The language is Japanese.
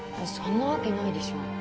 そんなわけないでしょ